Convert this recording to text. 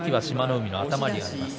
海の頭にあります。